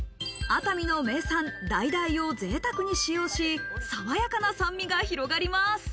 熱海の名産、橙を贅沢に使用し、さわやかな酸味が広がります。